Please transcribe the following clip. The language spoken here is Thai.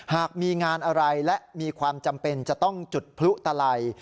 หากมีงานอะไรและมีความจำเป็นจะต้องจุดพลุตลัย